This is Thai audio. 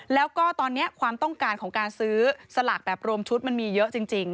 แล้วก็ตอนนี้ความต้องการของการซื้อสลากแบบรวมชุดมันมีเยอะจริง